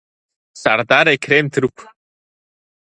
Сардар-екрем ҭырқә.